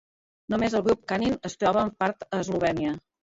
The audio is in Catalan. Només el grup Kanin es troba en part a Eslovènia.